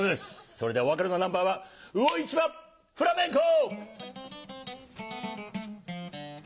それではお別れのナンバーは魚市場フラメンコ！